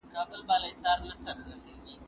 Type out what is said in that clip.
هغه څوک چي پلان جوړوي منظم وي